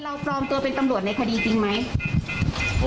ปลอมตัวเป็นตำรวจในคดีจริงไหม